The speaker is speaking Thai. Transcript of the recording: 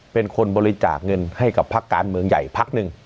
เป็นคนบริจาคเงินให้กับพักการเมืองใหญ่พักหนึ่ง